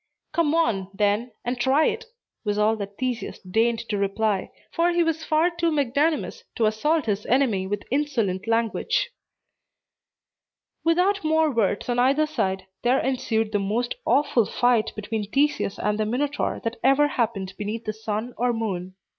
"Come on, then, and try it!" was all that Theseus deigned to reply; for he was far too magnanimous to assault his enemy with insolent language. Without more words on either side, there ensued the most awful fight between Theseus and the Minotaur that ever happened beneath the sun or moon.